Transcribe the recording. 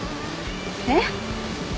えっ？